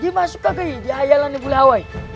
dia masuk ke kaya di hayalan di bulawai